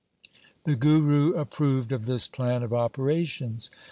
The Guru approved of this plan of operations.